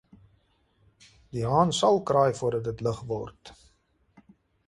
Die haan sal kraai voordat dit lig word.